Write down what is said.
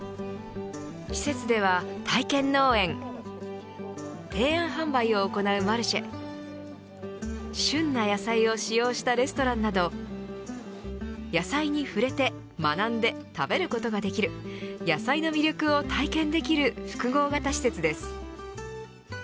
施設では体験農園提案販売を行うマルシェ旬な野菜を使用したレストランなど野菜に触れて、学んで食べることができる野菜の魅力を体験できる複合型施設です。